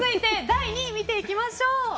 第２位見ていきましょう。